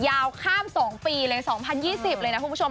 ยาวข้าม๒ปีเลย๒๐๒๐เลยนะคุณผู้ชม